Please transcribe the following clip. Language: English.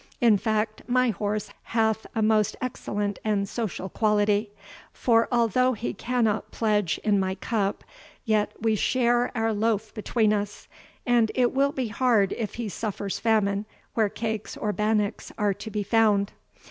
In fact, my horse hath a most excellent and social quality; for although he cannot pledge in my cup, yet we share our loaf between us, and it will be hard if he suffers famine where cakes or bannocks are to be found.